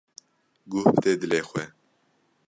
Guh bide dilê xwe.